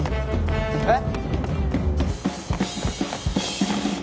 えっ？